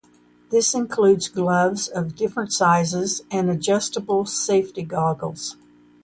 This includes gloves of different sizes and adjustable safety goggles.